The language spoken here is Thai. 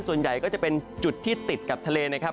ส่วนใหญ่ก็จะเป็นจุดที่ติดกับทะเลนะครับ